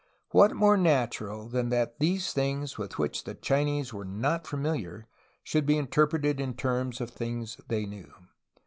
What more natural than that these things with which the Chinese were not familiar should be interpreted in terms of things they knew?